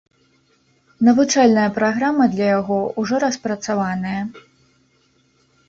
Навучальная праграма для яго ўжо распрацаваная.